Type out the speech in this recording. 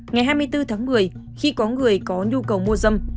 ngày hai mươi bốn tháng một mươi khi có người có nhu cầu mua dâm